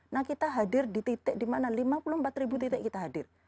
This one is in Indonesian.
nah kita hadir di titik di mana lima puluh empat ribu titik kita hadir